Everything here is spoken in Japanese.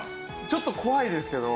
ちょっと怖いですけど。